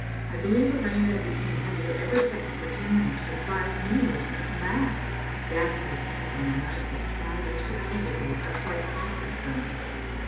I believe a rain that became heavier every second for ten minutes would drive many listeners mad, Gavin was in it on a night that tried us repeatedly for quite half that time.